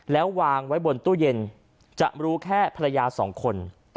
แล้ววางไว้บนตู้เย็นจะรู้แค่ภรรยาสองคน